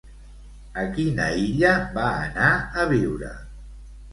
A quina illa va anar a viure?